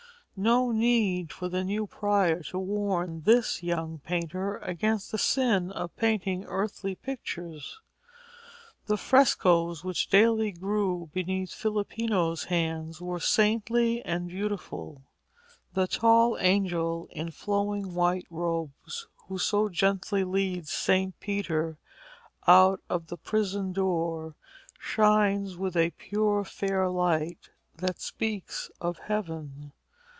No need for the new prior to warn this young painter against the sin of painting earthly pictures. The frescoes which daily grew beneath Filippino's hands were saintly and beautiful. The tall angel in flowing white robes who so gently leads St. Peter out of the prison door, shines with a pure fair light that speaks of Heaven.